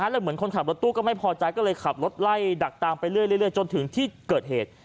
แล้วเหมือนคนขับรถตู้ก็ไม่พอใจก็เลยขับรถไล่ดักตามไปเรื่อยจนถึงที่เกิดเหตุ